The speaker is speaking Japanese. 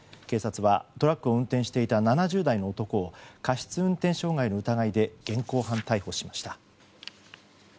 警察はトラックを運転していた７０代の男を過失運転傷害の疑いで現行犯逮捕しました。